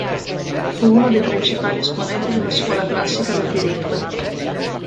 Fu uno dei principali esponenti della Scuola Classica del diritto.